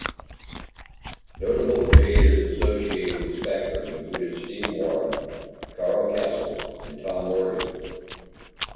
Notable creators associated with Spectrum included Steve Woron, Karl Kesel and Tom Morgan.